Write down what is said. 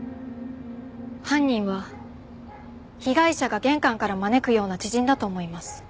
犯人は被害者が玄関から招くような知人だと思います。